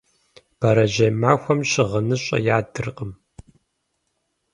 Бэрэжьей махуэм щыгъыныщӏэ ядыркъым.